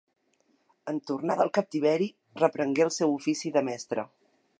En tornar del captiveri reprengué el seu ofici de mestre.